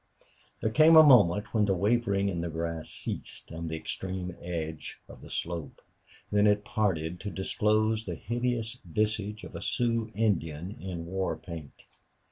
There came a moment when the wavering in the grass ceased on the extreme edge of the slope. Then it parted to disclose the hideous visage of a Sioux Indian in war paint.